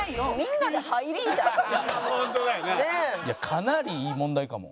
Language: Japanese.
かなりいい問題かも。